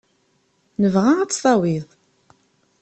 Nebɣa ad tt-tawiḍ.